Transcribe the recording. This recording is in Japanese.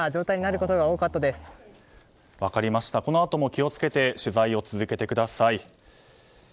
このあとも気を付けて取材を続けてください。